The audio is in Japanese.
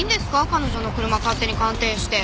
彼女の車勝手に鑑定して。